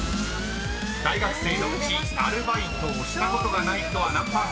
［大学生のうちアルバイトをしたことがない人は何％か］